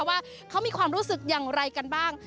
ว่าเขามีความรู้สึกอย่างไรกันบ้าง